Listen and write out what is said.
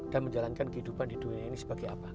dan menjalankan kehidupan di dunia ini sebagai apa